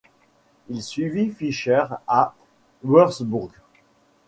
Il suivit Fischer à Wurtzbourg.